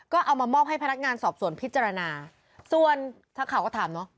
ก็เอามามอบให้พนักงานสอบสวนพิจารณาส่วนทักข่าวก็ถามเนอะ